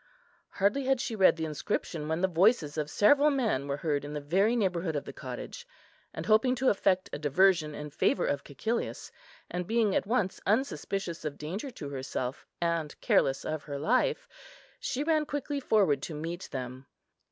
Hardly had she read the inscription when the voices of several men were heard in the very neighbourhood of the cottage; and hoping to effect a diversion in favour of Cæcilius, and being at once unsuspicious of danger to herself, and careless of her life, she ran quickly forward to meet them.